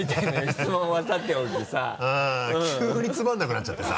質問はさておきさ急につまらなくなっちゃってさ。